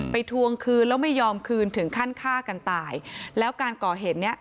ทวงคืนแล้วไม่ยอมคืนถึงขั้นฆ่ากันตายแล้วการก่อเหตุเนี้ย